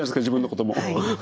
自分のことも。